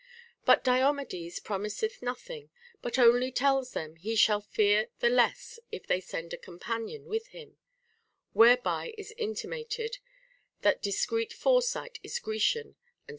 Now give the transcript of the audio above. But Diomedes promiseth nothing, but only tells them he shall fear the less if they send a companion with him ; whereby is intimated, that discreet foresight is Grecian and TO HEAR POEMS.